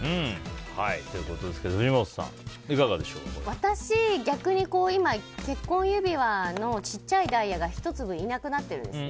私、逆に今結婚指輪の小さいダイヤが１粒いなくなってるんですね。